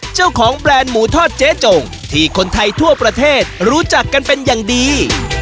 แบรนด์หมูทอดเจ๊จงที่คนไทยทั่วประเทศรู้จักกันเป็นอย่างดี